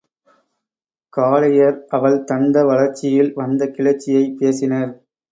காளையர் அவள் தந்த வளர்ச்சியில் வந்த கிளர்ச்சியைப் பேசினர்.